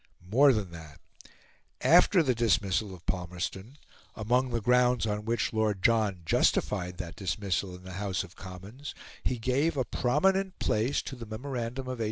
More than that; after the dismissal of Palmerston, among the grounds on which Lord John justified that dismissal in the House of Commons he gave a prominent place to the memorandum of 1850.